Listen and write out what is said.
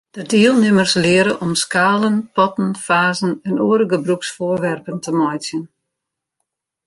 De dielnimmers leare om skalen, potten, fazen en oare gebrûksfoarwerpen te meitsjen.